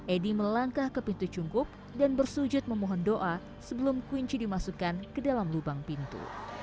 edi melangkah ke pintu cungkup dan bersujud memohon doa sebelum kunci dimasukkan ke dalam lubang pintu